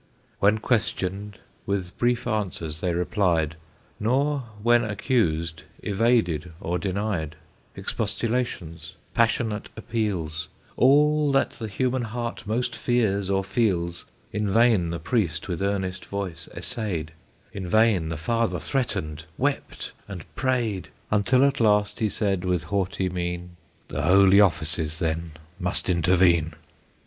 When questioned, with brief answers they replied, Nor when accused evaded or denied; Expostulations, passionate appeals, All that the human heart most fears or feels, In vain the Priest with earnest voice essayed, In vain the father threatened, wept, and prayed; Until at last he said, with haughty mien, "The Holy Office, then, must intervene!"